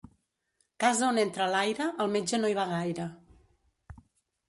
Casa on entra l'aire, el metge no hi va gaire.